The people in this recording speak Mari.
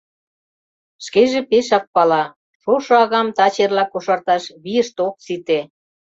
Шкеже пешак пала: шошо агам таче-эрла кошарташ вийышт ок сите.